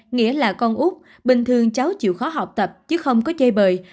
nghĩa là con úc bình thường cháu chịu khó học tập chứ không có chơi bời